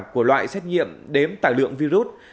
của loại xét nghiệm đếm tài lượng virus